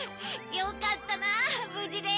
よかったなぶじで！